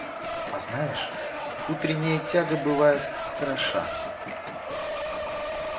А знаешь, утренняя тяга бывает хороша.